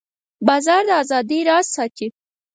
باز د آزادۍ راز ساتي